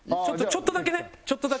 ちょっとだけね。